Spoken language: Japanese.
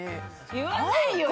言わないよ。